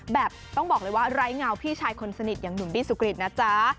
แบบต้องบอกเลยว่าไร้เงาพี่ชายคนสนิทอย่างหนุ่มบี้สุกริตนะจ๊ะ